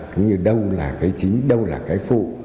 cũng như đâu là cái chính đâu là cái phụ